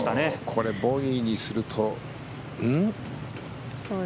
これ、ボギーにするとん？